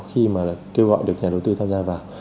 khi mà kêu gọi được nhà đầu tư tham gia vào